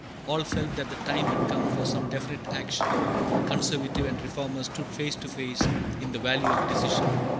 All felt that the time had come for some definite action; conservative and reformer stood face to face in the Valley of Decision.